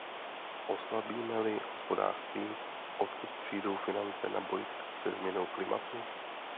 Oslabíme-li hospodářství, odkud přijdou finance na boj se změnou klimatu?